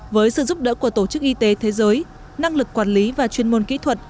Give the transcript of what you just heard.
với sự giúp đỡ của tổ chức y tế thế giới năng lực quản lý và chuyên môn kỹ thuật